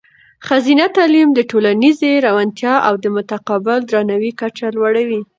ښځینه تعلیم د ټولنیزې روڼتیا او د متقابل درناوي کچه لوړوي.